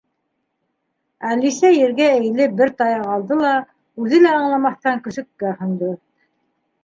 Әлисә, ергә эйелеп, бер таяҡ алды ла, үҙе лә аңламаҫтан, көсөккә һондо.